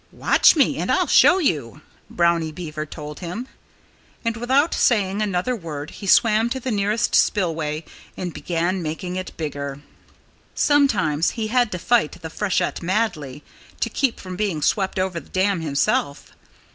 "Watch me and I'll show you!" Brownie Beaver told him. And without saying another word he swam to the nearest spillway and began making it bigger. Sometimes he had to fight the freshet madly, to keep from being swept over the dam himself.